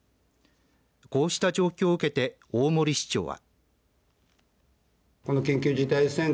こうした状況を受けて大森市長は。